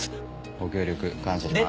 ご協力感謝しま。